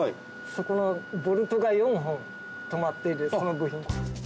そこのボルトが４本留まっているその部品。